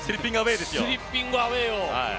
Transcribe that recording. スリッピングアウェーを。